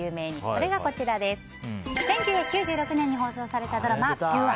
それが、１９９６年に放送されたドラマ、「ピュア」。